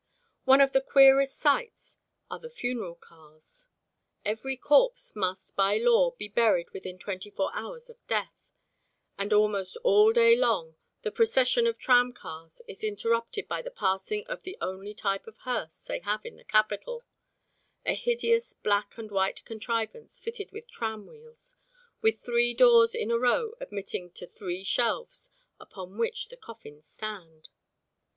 One of the queerest sights are the funeral cars. Every corpse must by law be buried within twenty four hours of death, and almost all day long the procession of tramcars is interrupted by the passing of the only type of hearse they have in the capital, a hideous black and white contrivance fitted with tram wheels with three doors in a row admitting to three shelves upon which the coffins stand.